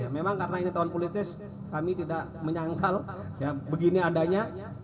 memang karena ini tahun politis kami tidak menyangkal begini adanya